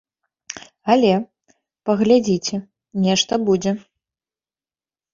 Але, паглядзіце, нешта будзе.